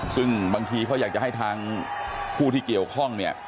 ซึ่งบางทีเขาอยากจะให้ทางผู้ที่เกี่ยวข้องเนี่ย